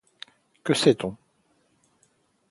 Que sait-on ?